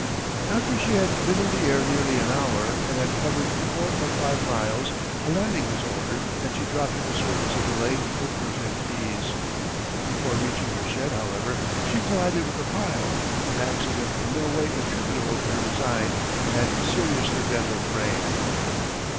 After she had been in the air nearly an hour and had covered four or five miles, a landing was ordered and she dropped to the surface of the lake with perfect ease. Before reaching her shed, however, she collided with a pile an accident in no way attributable to her design and seriously bent her frame.